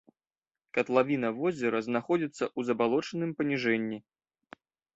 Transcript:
Катлавіна возера знаходзіцца ў забалочаным паніжэнні.